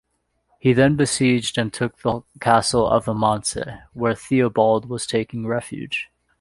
He then besieged and took the castle of Amance, where Theobald was taking refuge.